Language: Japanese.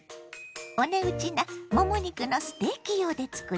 お値打ちなもも肉のステーキ用でつくります。